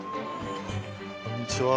こんにちは。